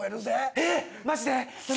えっマジで？